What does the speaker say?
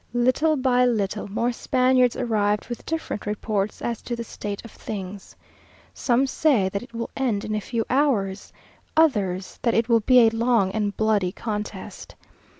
Little by little, more Spaniards arrived with different reports as to the state of things. Some say that it will end in a few hours others, that it will be a long and bloody contest.